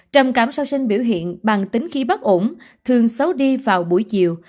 trầm cảm sau sinh biểu hiện bằng tính khí bất ổn thường xấu đi vào buổi chiều